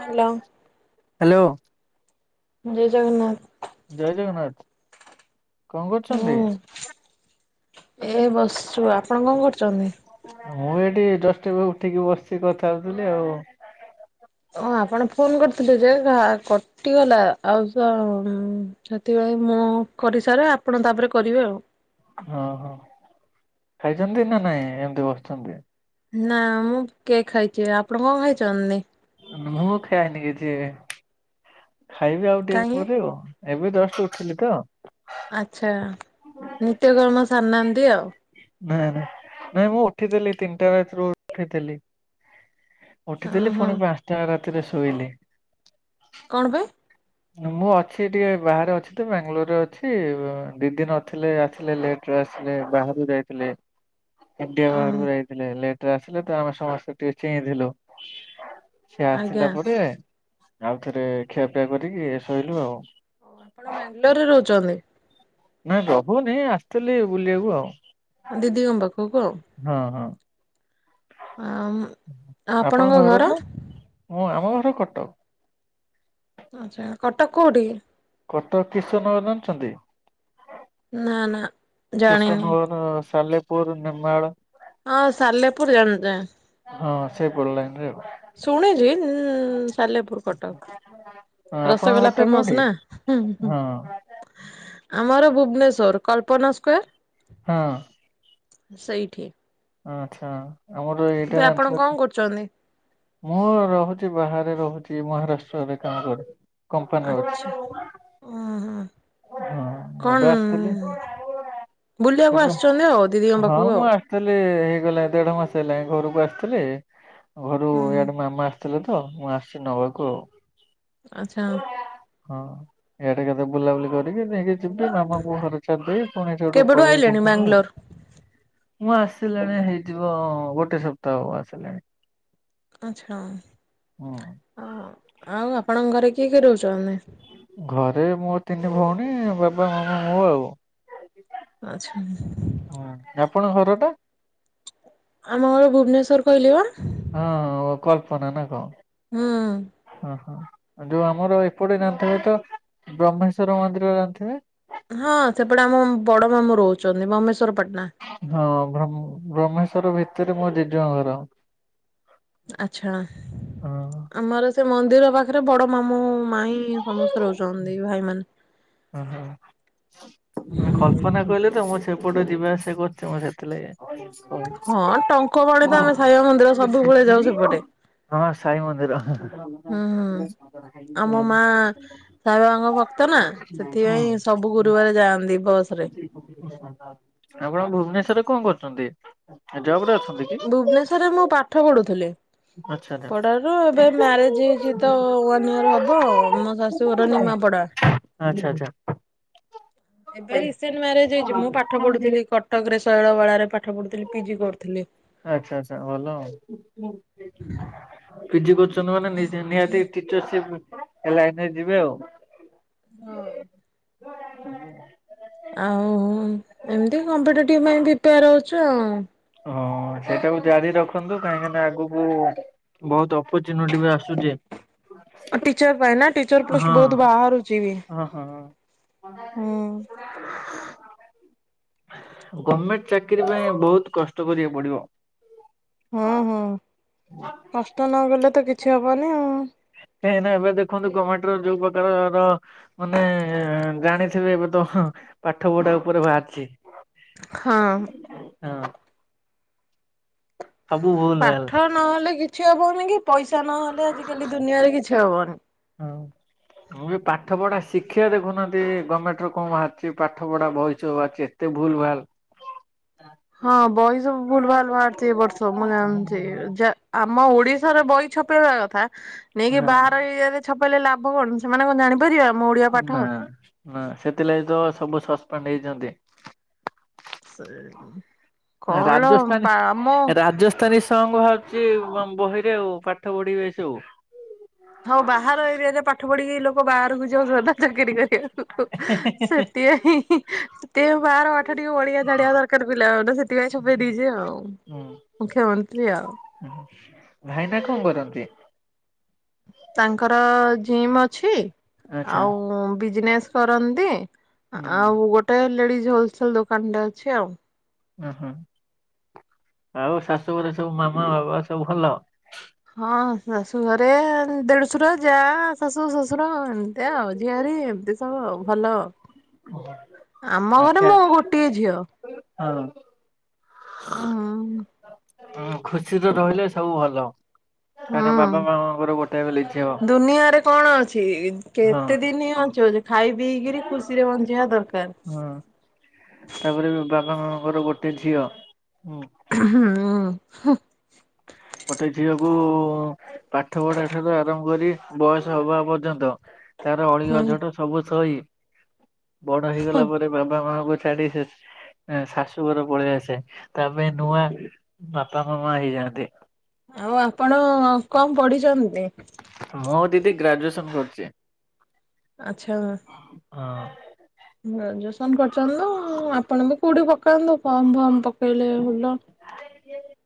Hello! Hello! ଜୟ ଜଗନ୍ନାଥ! ଜୟ ଜଗନ୍ନାଥ! କଣ କରୁଛନ୍ତି? ହୁଁ ଏ ବସିଛୁ! ଆପଣ କଣ କରୁଛନ୍ତି? ମୁଁ ଏଠି ଯଷ୍ଟ ଏବେ ଉଠିକି ବସିଛିି କଥା ହଥିଲି ଆଉ! ହଁ ଆପଣ ଫୋନ କରିଥିଲେ ଯେ! କଟିଗଲା, ଆଉ ସେଥପାଇଁ ମୁଁ କରିସାରେ ଆପଣ ତାପରେ କରିବେ ଆଉ! ହଁ ହୋ ଖାଇଛନ୍ତି ନା ନାଇଁ? ଏମତି ବସିଛନ୍ତି! ନା ମୁଁ କେକ୍ ଖାଇଛି, ଆପଣ କଣ ଖାଇଛନ୍ତି? ମୁଁ ଖେଲେନି କିଛି ଖାଇବି ଆଉ ଟିକେ କାହିଁକି ପରେ ଆଉ ଏବେ ଜଷ୍ଟ ଉଠିଲି ତ ଆଚ୍ଛା ନିତ୍ୟକର୍ମ ସାରିନାହାନ୍ତି ଆଉ। ନାଇଁ ନାଇଁ ନାଇଁ ମୁଁ ଉଠିଥିଲି ତିନିଟା ରାତିରୁ ଉଠିଥିଲି! ଅ ଉଠିଥିଲି! ହଁ ପୁଣି ପାଞ୍ଚଟା ରାତିରେ ଶୋଇଲି! କଣ ପାଇଁ। ମୁଁ ଅଛି ଟିକେ ବାହାରେ ଅଛି ତ ବାଙ୍ଗାଲୋରରେ ଅଛି ଦିଦି ନଥିଲେ ଆସିଲେ ଲେଟ୍! ଏବେ ଆସିଲେ! ବାହହାରକୁ ଯାଇଥିଲେ ଇଣ୍ଡିଆ ଅ ବାହାରକୁ ଯାଇଥିଲେ! ଲେଟ୍ ଆସିଲେ ତ ଆମେ ସମସ୍ତେ ଟିକେ ଚେହିଥିଲୁ। ସେ ଆଜ୍ଞା। ଆସିଲା ପରେ! ଆଉ ଥରେ ଖିଆପିଆ କରିକି ଶୋଇଲୁ ଆଉ। ଆପଣ ବାଙ୍ଗାଲୋର ରେ ରହୁଛନ୍ତି? ନାଁ ରହୁନି! ଆସିଥିଲି ବୁଲିବାକୁ ଆଉ! ଦିଦି ଙ୍କ ପାଖକୁ ଆଉ! ହଁ ହଁ! ଆଉ ଆପଣଙ୍କ ଘର? ହଁ! ଆମ ଘର କଟକ ଆଚ୍ଛା! କଟକ କୋଉଠି? କଟକ କିଶୋରନଗର ଜଣିଛନ୍ତି? ନା ନା! ଜାଣିନି କିଶେନଗର, ସାଲେପୁର, ନିର୍ମାଳ। ହଁ? ସାଲେପୁର ଜାନିଲି! ହଁ! ସେ ପଟେ ଲାଇନ ରେ! ଶୁନିଚି! ଉଁ ସାଲେପୁର କଟକ! ହଁ ଆପଣଙ୍କ ରସଗୋଲା ଘରଟା ଫେମସ କୋଉଠି? ନା! ହଁ ଆମର! ଭୁବନେଶ୍ୱର କଳ୍ପନା ସ୍କୋୟାର। ହଁ। ସେଇଠି ଆଚ୍ଛା! ଆମର ଏବେ ଏଇଟା ଆପଣ ଜାଣିଥିବ! କଣ କରୁଚନ୍ତି? ମୁଁ ରହୁଛି ବାହାରେ ରହୁଛି ମହାରାଷ୍ଟ୍ରରେ କାମ କରେ। କମ୍ପାନୀରେ ଅଛି ଆଚ୍ଛା ହୁଁ। ହଁ ଏବେ ଆସିଥିଲି କଣ ବୁଲିବାକୁ ଏବେ ଆସିଛନ୍ତି ଆଉ ଦିଦିଙ୍କ ହଁ ପାଖକୁ ମୁଁ ଆଉ? ଆସିଥିଲି ହେଇଗଲା ଦେଢ଼ ମାସ ହେଲାଣି ଘରକୁ ଆସିଥିଲି ଘରୁ ହୁଁ ଇଆଡ଼େ ମାମା ଆସିଥିଲେ ତ ମୁଁ ଆସିଛି ନେବାକୁ ଆଉ। ଆଚ୍ଛା। ହଁ ଇଆଡ଼େ ଏକାଥରେ ବୁଲାବୁଲି କରିକି ନେଇକି ଯିବି ମାମାଙ୍କୁ ଘରେ ଛାଡ଼ିଦେବି ପୁଣି ଏଠୁ ଗୋଟେ କେବେଠୁ ପଳେଇବି ଆଇଲେଣି ବାଙ୍ଗାଲୋର? ମୁଁ ଆସିଲିଣି ହେଇଯିବ ଗୋଟେ ସପ୍ତାହ ଆସିଲାଣି। ଆଚ୍ଛା। ହୁଁ। ଆଉ ଆପଣଙ୍କ ଘରେ କିଏ କିଏ ରହୁଛନ୍ତି? ଘରେ ମୋ ତିନି ଭଉଣୀ, ବାବା, ମାମା, ମୁଁ ଆଉ। ଆଚ୍ଛା। ହୁଁ ଆପଣଙ୍କ ଘର ଟା? ଆମ ଘର ଭୁବନେଶ୍ଵର କହିଲି ବା। ହଁ ହଁ ଓଃ କଳ୍ପନ ନା କଣ? ହୁଁ। ଓହୋଃ ଯୋଉ ଆମର ଏପଟେ ଜାଣିଥିବେ ତ ବ୍ରହ୍ମେଶ୍ଵର ମନ୍ଦିର ଜାଣିଥିବେ? ହଁ ସେପଟେ ଆମ ବଡ଼ ମାମୁଁ ରହୁଛନ୍ତି। ବ୍ରହ୍ମେଶ୍ଵର ପାଟନା। ହଁ ବ୍ରହ୍ମେଶ୍ଵର ଭିତରେ ମୋ ଜିଜୁଙ୍କ ଘର। ଆଛା! ହଁ ଆମର ସେ ମନ୍ଦିର ପାଖରେ ବଡ଼ ମାମୁଁ ମାଇଁ ସମସ୍ତେ ରହୁଛନ୍ତି ଭାଇ ମାନେ। ଓହୋ! କଳ୍ପନା କହିଲେ ତ ମୁଁ ସେପଟ ଯିବା ଆସିବା କରୁଛି ମୁଁ ସେଥିଲାଗି ହଁ ଟଙ୍କପାଣି ତ ଆମେ ସାଇବାବା ମନ୍ଦିର ସବୁବେଳେ ଯାଉ ସେପଟେ। ହଁ ସାଇ ମନ୍ଦିର। ହୁଁ ହୁଁ। ସାଇବାବାଙ୍କ ଭକ୍ତ ନା ସେଥିପାଇଁ ସବୁ ଗୁରୁବାର ଯାଆନ୍ତି ବସ ରେ। ଆପଣ ଭୁବନେଶ୍ଵରରେ କଣ କରୁଛନ୍ତି? ହେ ଜବ୍ ରେ ଭୁବନେଶ୍ବରରେ ମୁଁ ପାଠ ପଢ଼ୁଥିଲି। ଆଚ୍ଛା! ଆଚ୍ଛା ପଢ଼ା ରୁ ଏବେ ମ୍ୟାରେଜ ହେଇଛି ତ ଭଗବାନ ଦୟାରୁ ହବ ମୋ ଶାଶୁଘର ନିମାପଡ଼ା। ଆଚ୍ଛା! ଆଚ୍ଛା! ଏବେ ରିସେଣ୍ଟ ମ୍ୟାରେଜ ହେଇଛି। ମୁଁ ପାଠ ପଢ଼ୁଥିଲି କଟକରେ ଶୈଳବାଳା ରେ ପାଠ ପଢ଼ୁଥିଲି ପିଜି କରୁଥିଲି। ଆଚ୍ଛା! ଆଚ୍ଛା! ଭଲ ଆଉ। ପିଜି କରୁଛନ୍ତି ମାନେ ନିହାତି ଟିଚରସିପ ଲାଇନରେ ଯିବେ ଆଉ। ହଁ। ଉଁ ଆଉ ଏମିତି କମ୍ପିଟେଟିଭ୍ ପାଇଁ ପ୍ରିପେୟାର ହେଉଛୁ ଆଉ। ହଁ ସେଇଟାକୁ ଜାରି ରଖନ୍ତୁ କାହିଁକିନା ଆଗକୁ ବହୁତ ଅପର୍ଚ୍ୟୁନିଟି ବି ଆସୁଛି। ଟିଚର ପାଇଁ ନା ଟିଚର ହଁ ପୋଷ୍ଟ ବହୁତ ବାହାରୁଛି ବି। ହଁ ହଁ। ହୁଁ। ଗର୍ମେଣ୍ଟ ଚାକିରୀ ପାଇଁ ବହୁତ କଷ୍ଟ କରିବାକୁ ପଡ଼ିବ। ହଁ- ହଁ କଷ୍ଟ ନକଲେ ତ କିଛି ହବନି ଆଉ। କାହିଁକି ନା ଏବେ ଦେଖନ୍ତୁ ଗର୍ମେଣ୍ଟ ର ଯୋଉ ପ୍ରକାରର ମାନେ ଜାଣି ଥିବେ ଏବେ ତ ପାଠ ପଢ଼ା ଉପରେ ବାହାରିଛି ହଁ। ହଁ। ସବୁ ଭୁଲ ଭାଲ ପାଠ ନହେଲେ କିଛି ହବନି କି ପଇସା ନହେଲେ ଆଜିକାଲି ଦୁନିଆରେ କିଛି ହବନି। ହଁ। [inaudible] ମୁଁ ବି ପାଠ ପଢା ଶିକ୍ଷା ଦେଖୁନାହାନ୍ତି। ଗର୍ମେଣ୍ଟ ରୁ କଣ ବାହାରିଛି ପାଠ ପଢା ବହିଛବି ଭାହାରିଛି। ଟିକେ ଭୁଲ ଭାଲ। [inaudible] ହଁ ବହି ସବୁ ଭୁଲ ଭାଲ ବାହାରିଛି ଏ ବର୍ଷ ମୁଁ ଜାଣିଛି ଯେ ଆମ ଓଡିଶାର ବହି। ଛପେଇବା କଥା ନେଇକି ହଁ ବାହାର ଏରିଆ ରେ ଛପେଇଲେ ଲାଭ କଣ ସେମାନେ କଣ ଜାଣିପାରିବେ ଆମ ଓଡିଆ ପାଠ। ନା- ନା ସେଥିଲାଗି ତ ସବୁ ସସ୍ପେଣ୍ଡ ହେଇଛନ୍ତି। ସେ କଣ ପାମ। ତ ନିଶଙ୍ଗ ଭାରୁଛି ବହିରେ ଆଉ ପାଠ ପଢିବେ ସବୁ। ହଉ ବାହାର ଏରିଆରେ ପାଠ ପଢିକି ଲୋକ ବାହାରକୁ ଯାଉ ଚାକିରି କରିବାକୁ। ସେଟି ଆଉ ହି ହିି ଟିକେ ବାର ପାଠ ଟିକେ ଓଡିଆ ଜାଣିଆ ଦରକାର ପିଲାମାନେ ସେଥିପାଇଁ ସବୁ ଫେରିକି ଯିବେ ଆଉ ହୁଁ ମୁଖ୍ୟମନ୍ତ୍ରୀ ଆଉ ଭାଇନା କଣ କରନ୍ତି? ତାଙ୍କର ଜିମ୍ ଅଛି ଆଚ୍ଛା। ଆଉ ବିଜିନେସ୍ କରନ୍ତି ହୁଁ ଆଉ ଗୋ ଟେ ଲେଡିଜ ହୋଲସେଲ ଦୋକାନଟେ ଅଛି ଆଉ। ଉଁ ହୁଁ ଆଉ ଶାଶୁଘରେ ସବୁ ମାମା ବାବା ସବୁ ଭଲ? ହଁ ଶାଶୁ ଘରେ ଦେଢଶୁର ଯା ଶାଶୁ ଶଶୁର ଏମିତିଆ ଆଉ ଝିଆରୀ ଏମତି ହଁ ଭଲ ଆମ ଘରେ ଆଚ୍ଛା ମୁଁ ଗୋଟିଏ ଝିଅ। ହଁ। ଉଁ ହୁଁ ଖୁସି ତ ରହିଲେ ସବୁ ଭଲ କାହିଁକିନା ବାବା ହୁଁ ମାମାଙ୍କର ଗୋଟାଏ ବୋଲି ଝିଅ। ଦୁନିଆରେ କଣ ଅଛି ହଁ କେତେ ଦିନ ବଞ୍ଚିବ ଯେ ଖାଇ ପିଇକିରି ଖୁସିରେ ବଞ୍ଚିବା ଦରକାର। ହଁ ତାପରେ ବି ବାପା ମାମାଙ୍କର ଗୋଟେ ଝିଅ ହୁଁ। ଉଁ ହୁଁ। ଗୋଟେ ଝିଅକୁ ପାଠ ପଢା ଠାରୁ ଆରମ୍ଭ କରିକି ବୟସ ହବା ପର୍ଯ୍ୟନ୍ତ ତାର ଅଳି ହୁଁ ଅଝଟ ସବୁ ସହି ବଡ ହେଇଗଲା ପରେ ବାବା ମା ପ ଛାଡି ସେ ଏ ଶାଶୁଘର ପଳେଇଆସେ ତା ପାଇଁ ନୂଆ ବାପା ମାମା ହେଇଯାଆନ୍ତି। ଆଉ ଆପଣ କଣ ପଢିଛନ୍ତି? ମୋର ଦିଦି ଗ୍ରାଜୁଏସନ ସରିଚି। ଆଚ୍ଛା। ହଁ। ଗ୍ରାଜୁଏସନ କରିଚନ୍ତି ତ ଆପଣ ବି କୋଉଠି ପକାନ୍ତୁ ଫର୍ମ ଫର୍ମ ପକେଇଲେ ଭଲ। [inaudible]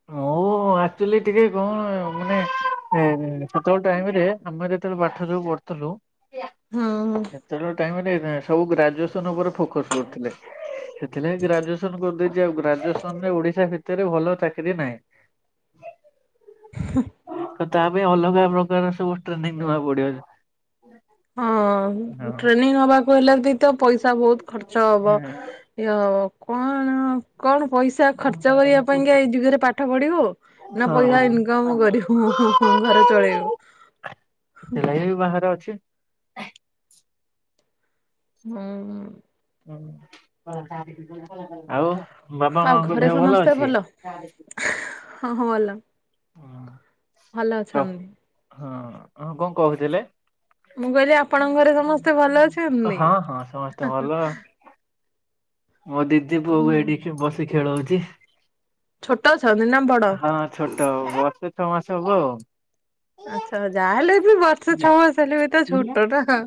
[inaudible] ମୁଁ ଆକ୍ଚୁଲି ଟିକେ କଣ ମାନେ ସେତେବେଳେ ଟାଇମରେ ଆମେ ଯେତେବେଳେ ପାଠ ଯୋଉ ପଢୁଥିଲୁ ୟା ହଁ ହଁ। ସେତେବେଳେ ଟାଇମରେ ସବୁ ଗ୍ରାଜୁଏସନ ଉପରେ ଫୋକସ କରୁଥିଲେ। ସେଥିଲାଗି ଗ୍ରାଜୁଏସନ କରିଦେଇଛି ଆଉ ଗ୍ରାଜୁଏସନ ରେ ଓଡିଶା ଭିତରେ ଭଲ ଚା କିରୀ ନାଇଁ। ତ ତା ପାଇଁ ଅଲଗା ପ୍ରକାର ସବୁ ଟ୍ରେନିଂ ନବାକୁ ପଡିବ। ହଁ ଟ୍ରେନିଂ ନବାକୁ ହେଲେ ବି ତ ପଇସା ବହୁତ ଖର୍ଚ୍ଚ ହବ। ଇଏ ହବ କଣ କଣ ପଇସା ଖର୍ଚ୍ଚ କରିବା ପାଇଁକା ଏଇ ଯୁଗରେ ପାଠ ପଢିବୁ ନା ହଁ ପଇସା ଇନକମ୍ କରିବୁ ଘର ଚଳେଇବୁ। ସେ ଲାଗି ବାହାରେ ଅଛି। ହୁଁ। ଆଉ ବାପା ଆଉ ମାଆଙ୍କ ଘରେ ଦେହ ଭଲ ସମସ୍ତେ ଅଛି? ହଁ ହଁ ଭଲ ଭଲ ଅଛନ୍ତି। ହଁ ହଁ କଣ କହୁଥିଲେ? ମୁଁ କହିଲି ଆପଣଙ୍କ ଘରେ ସମସ୍ତେ ଭଲ ଅଛନ୍ତି? ହଁ ହଁ ସମସ୍ତେ ଭଲ। ମୋ ଦିଦି ପୁଅକୁ ଏଇଠି ଖେ ବସି ଖେଳଉଛି। ଛୋଟ ଅଛନ୍ତି ନା ବଡ? ହଁ ଛୋଟ ବର୍ଷେ ଛଅ ମାସ ହବ ଆଉ। ଆଚ୍ଛା ଯାହା ହେଲେ ବି ବର୍ଷ ଛଅ ମାସ ହେଲେ ବି ତ ଛୋଟ ଟା।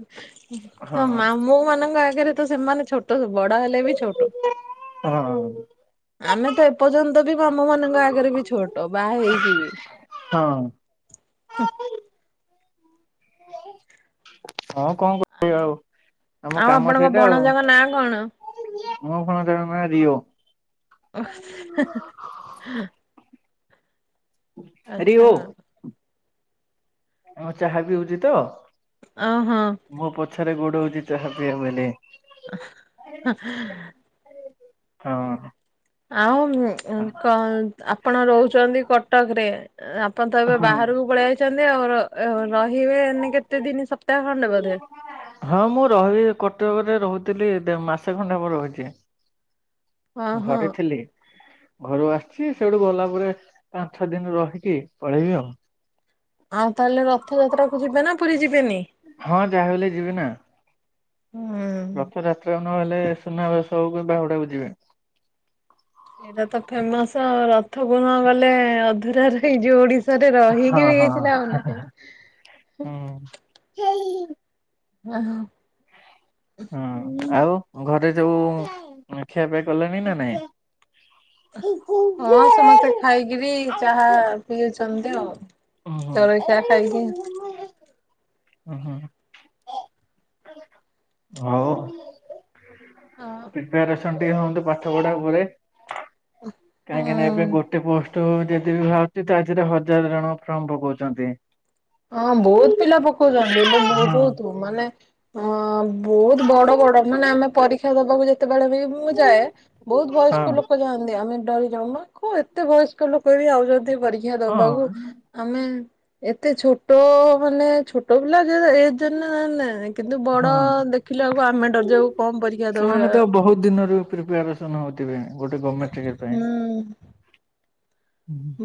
ହଁ ଆଉ ମାମୁଁ ମାନଙ୍କ ଆଗରେ ତ ସେମାନେ ଛୋଟ, ବଡ ହେଲେ ବି ଛୋଟ। [unintelligible] ଆମେ ତ ଏପର୍ଯ୍ୟନ୍ତ ବି ମାମୁଁ ମାନଙ୍କ ଆଗରେ ବି ଛୋଟ, ବାହା ହେଇକି ବି। ହଁ। ହଁ କଣ କରିବି ଆଉ, ଆମ ଆଉ କାମ ଆପଣଙ୍କ ସେଇଟା ଭଣଜାଙ୍କ ନାଁ କଣ? ଆଉ। ମୋ [unintelligible] ରିଓ। [unintelligible] ରିଓ ଆଛା ହଁ। ତମର ଚାହା ବି ହଉଛି ତ? ଓହୋ। ମୋ ପଛରେ ଗୋଡଉଛି ଚାହା ପିଇ ବଲେ। [inaudible] ହଁ। ଆଉ ଆପଣ ରହୁଛନ୍ତି କଟକରେ ଆପଣ ତ ଏବେ ହଁ। ବାହାରକୁ ପଳେଇ ଆଇଛନ୍ତି ଆଉ, ରହିବେନି କେତେ ଦିନ ସପ୍ତାହ ଖଣ୍ଡେ ବୋଧେ? ହଁ ମୁଁ ରହିବି କଟକରେ ରହୁଥିଲି ମାସେ ଖଣ୍ଡେ ହବ ରହୁଛି। ହଁ ହଁ ଘରେ ଥିଲି। ଘରୁ ଆସିଛି ସେଇଠୁ ଗଲା ପରେ ଆଠ ଦିନି ରହିକି ପଳେଇବି ଆଉ। ଆଉ ତାହେଲେ ରଥଯାତ୍ରା କୁ ଯିବେ ନା ପୁରୀ ଯିବେନି? ହଁ ଯାହାହଲେ ଯିବି ନା। ହୁଁ। ରଥଯାତ୍ରାକୁ ନହେଲେ, ସୁନାବେଶ କି ବାହୁଡାକୁ ଯିବେ। ଏଇଟା ତ ଫେମସ ରଥ କୁ ନଗଲେ ଅଧୁରା ରହିଯିବ ଓଡିଶ। ରେ ହଁ ରହିକି ବି ହଁ। ଇଠି ନାହାନ୍ତି କେହି। ହୁଁ। ଓହୋ। ହଁ ଆଉ ଘରେ ସବୁ ଖିଆପିଆ ସରିଲାଣି ନା ନାଇଁ? ହଁ ସମସ୍ତେ ଖାଇକିରି ଚାହା ପିଉଛନ୍ତି ଆଉ। ଉଁ ହୁଁ। ଜଳଖିଆ ଖାଇକି। ହଁ ହଁ ଆଉ। ହଁ ପିପାରେସନ ଟିକେ ହୁଅନ୍ତୁ ପାଠ ପଢା ପରେ। କାହିଁକିନା ଏବେ ହୁଁ। ଗୋ ଗୋଟେ ପୋଷ୍ଟ ଯେଦି ବି ବାହାରୁଛି ତା ଦେହରେ ହଜାର ଜଣ ଫର୍ମ ପକଉଛନ୍ତି। ହଁ ବହୁତ ପିଲା ପକଉଛନ୍ତି ଏବେ ହଁ ବହୁତ। ମାନେ ଅ ବହୁତ ବଡ ବଡ ମାନେ ଆମେ ପରୀକ୍ଷା ଦବାକୁ ଯେ ଯେତେବେଳେ ବି ମୁଁ ଯାଏ ବହୁତ ହଁ ବୟସ୍କ ଲୋକ ଯାଆନ୍ତି, ଆମେ ଡରି ଯାଉନା। କଣ ଏତେ ବୟସ୍କ ଲୋକ ବି ଆଉଛନ୍ତି ପରୀକ୍ଷା ଦବାକୁ, ହଁ। ଆମେ ଏତେ ଛୋଟ ମାନେ ଛୋଟ ପିଲା ଯେ ଏ ଯେ [unintelligible] କିନ୍ତୁ ବଡ଼ ହଁ। ଦେଖିଲେ ବେଳକୁ ଆମେ ଡରିଯାଉ କଣ ପରୀକ୍ଷା ଦବୁ [unintelligible] ଦିନରେ ପିପାରେସନ ହଉଥିବି ଗୋଟେ ଗର୍ମେଣ୍ଟ ଇଏ ପାଇଁ। ହୁଁ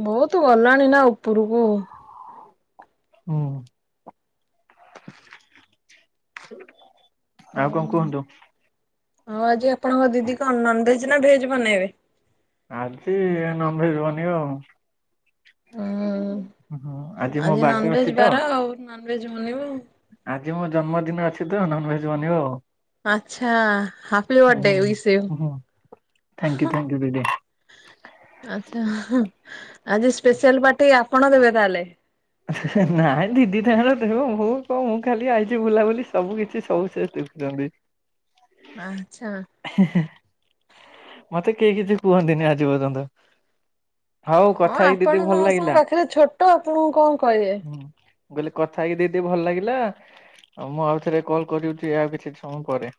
ବହୁତ ଗଲାଣି ନା ଉପୁରୁକୁ। ହଁ। ହଉ, ଆଉ ଆଜି ଆପଣଙ୍କ ଦିଦି କଣ ନନଭେଜ ନା ଭେଜ ବନେଇବେ? ଆଜି ନନଭେଜ୍ ବନିବ ଆଉ। ହୁଁ ଆଜି ମୋ ବା ଡେ ନନଭେଜ ଅଛି ତ। ବାର ଆଉ ନନଭେଜ ବନିବ ଆଉ। ଆଜି ମୋ ଜନ୍ମଦିନ ଅଛି ତ ନନ୍ ଭେଜ୍ ବନିବ ଆଉ। ଆଚ୍ଛା ହାପି ବଡେ ହୁଁ ୱିଶ୍ ୟୁ ହୁଁ ଥ୍ୟାଙ୍କୟୁ ହାଁ। ଥ୍ୟାଙ୍କୟୁ ଦିଦି ଆଛା ହା ଆଜି ସ୍ପେଶାଆଲ ପାର୍ଟି ଆପଣ ଦେବେ ତାହେଲେ? ନାଇଁ ଦିଦି [unintelligible] ଦେବ ମୁଁ କଣ ମୁଁ ଖାଲି ଆଇଛି ବୁଲାବୁଲି ସବୁ କିଛି ସବୁ ସେ ଦେ ଜଦି ଆଛା। ହେ ହେ ହେଁ। ମତେ କେହି କିଛି କୁହନ୍ତିନି ଆଜି ପର୍ଯ୍ୟନ୍ତ। ହଉ ହଁ କଥା ହେଇକି ଆପଣ ଦିଦି ଭଲ ସମସ୍ତଙ୍କ ଲାଗିଲା ପାଖରେ ଛୋଟ ଆପଣଙ୍କୁ କଣ କହିବେ। ହୁଁ। ମୁଁ କହିଲି କଥା ହେଇକି ଦିଦି ଭଲ୍ ଲାଗିଲା ଆଉ ମୁଁ ଆଉ ଥରେ କଲ କରିଅଛି ଆଉ କିଛି ସମୟ ପରେ।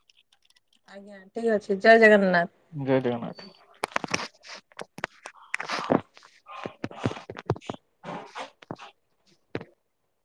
ଆଜ୍ଞା ଠିକ୍ ଅଛି ଜୟ ଜଗନ୍ନାଥ। ଜୟ ଜଗନ୍ନାଥ।